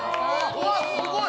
うわっすごい！